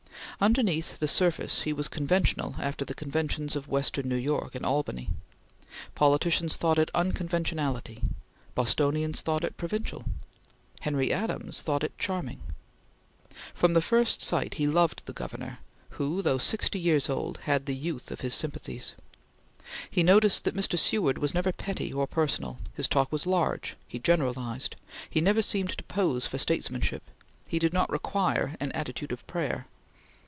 Underneath the surface he was conventional after the conventions of western New York and Albany. Politicians thought it unconventionality. Bostonians thought it provincial. Henry Adams thought it charming. From the first sight, he loved the Governor, who, though sixty years old, had the youth of his sympathies. He noticed that Mr. Seward was never petty or personal; his talk was large; he generalized; he never seemed to pose for statesmanship; he did not require an attitude of prayer.